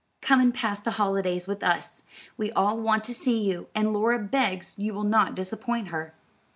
"Come and pass the holidays with us. We all want to see you, and Laura begs you will not disappoint her."